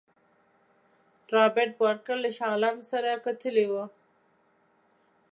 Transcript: رابرټ بارکر له شاه عالم سره کتلي وه.